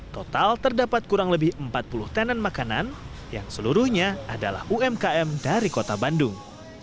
total terdapat kurang lebih empat puluh tenan makanan yang seluruhnya adalah umkm dari kota bandung